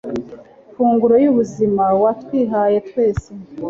funguro ry'ubuzima, watwihaye twese